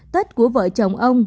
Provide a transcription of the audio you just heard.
tết của vợ chồng ông